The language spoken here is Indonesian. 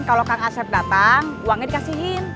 kalau kang asep datang uangnya dikasihin